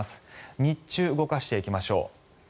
日中動かしていきましょう。